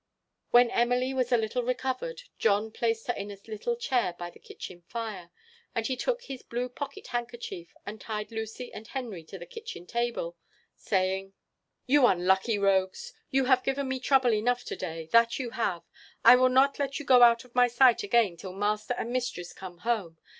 When Emily was a little recovered, John placed her in a little chair by the kitchen fire, and he took his blue pocket handkerchief and tied Lucy and Henry to the kitchen table, saying: "You unlucky rogues! you have given me trouble enough to day that you have. I will not let you go out of my sight again till master and mistress come home.